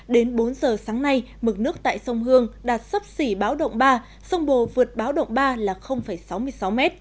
đến bốn giờ sáng nay mực nước tại sông hương đạt sấp xỉ báo động ba sông bồ vượt báo động ba là sáu mươi sáu m